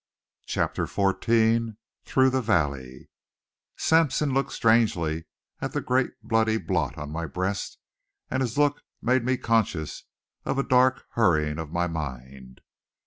Chapter 14 THROUGH THE VALLEY Sampson looked strangely at the great bloody blot on my breast and his look made me conscious of a dark hurrying of my mind.